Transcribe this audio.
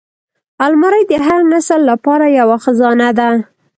الماري د هر نسل لپاره یوه خزانه ده